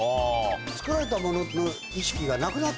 作られたものの意識がなくなって来て。